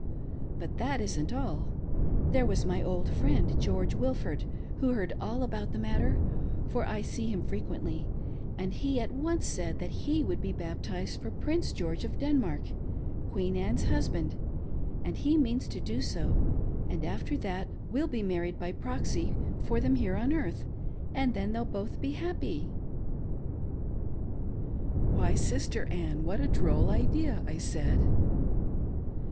But that isn't all. There was my old friend, George Wilford, who heard all about the matter, for I see him frequently, and he at once said that he would be baptized for Prince George of Denmark, Queen Anne's husband, and he means to do so, and, after that, we'll be married by proxy for them here on earth, and then they'll both be happy." "Why, Sister Ann, what a droll idea," I said.